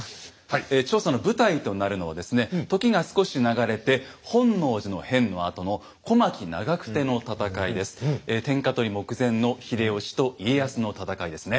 調査の舞台となるのはですね時が少し流れて天下取り目前の秀吉と家康の戦いですね。